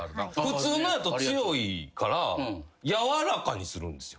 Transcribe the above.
普通のやと強いからやわらかにするんですよ。